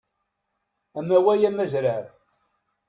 Amaway amazrar.